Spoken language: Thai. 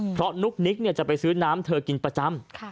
เพราะนุ๊กนิกจะไปซื้อน้ำเธอกินประจำ